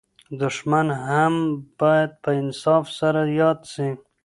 دښمن هم باید په انصاف سره یاد سي.